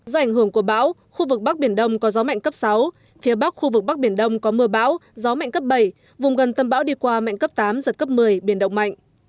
do ảnh hưởng của bão khu vực bắc biển đông có gió mạnh cấp sáu phía bắc khu vực bắc biển đông có mưa bão gió mạnh cấp bảy vùng gần tâm bão đi qua mạnh cấp tám giật cấp một mươi biển động mạnh